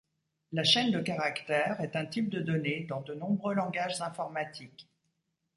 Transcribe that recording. La chaîne de caractères est un type de donnée dans de nombreux langages informatiques.